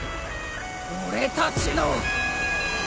俺たちの。